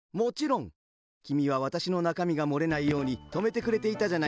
きみはわたしのなかみがもれないようにとめてくれていたじゃないか。